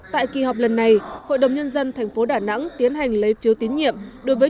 tại kỳ họp lần này hội đồng nhân dân thành phố đà nẵng tiến hành lấy phiếu tín nhiệm đối với